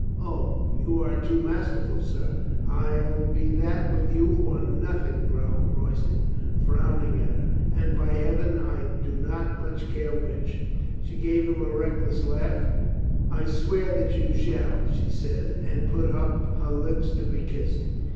"O, you are too masterful, sir." "I'll be that with you or nothing," growled Roy ston, frowning at her ... "and, by Heaven, I do not much care which." She gave a reckless laugh. "I swear that you shall," she said and put up her lips to be kissed.